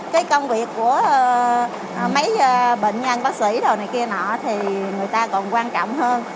cái công việc của mấy bệnh nhân bác sĩ đồ này kia nọ thì người ta còn quan trọng hơn